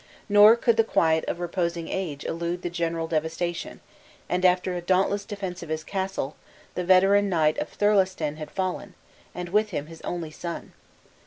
Nor could the quiet of reposing age elude the general devastation; and after a dauntless defense of his castle, the veteran Knight of Thirlestane had fallen, and with him his only son.